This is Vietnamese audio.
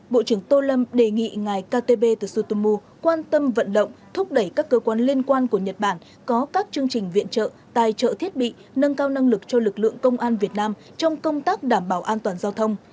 bộ trưởng tô lâm đề nghị ngài takebe tsutomu quan tâm vận động thúc đẩy các cơ quan liên quan của nhật bản có các chương trình viện trợ tài trợ thiết bị nâng cao năng lực cho lực lượng công an việt nam trong công tác đảm bảo an toàn giao thông